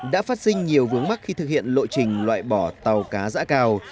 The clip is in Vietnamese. đã phát sinh nhiều vướng mắt khi thực hiện lộ trình loại bỏ tàu cá giã cào